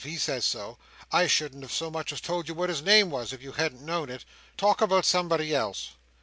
He says so. I shouldn't have so much as told you what his name was, if you hadn't known it. Talk about somebody else."